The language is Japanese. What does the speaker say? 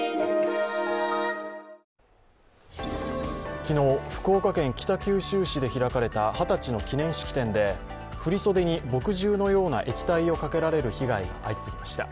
昨日、福岡県北九州市で開かれた二十歳の記念式典で振り袖に墨汁のような液体をかけられる被害が相次ぎました。